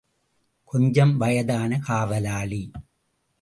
கொஞ்சம் வயதான காவலாளி.